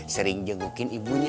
sering jengukin ibunya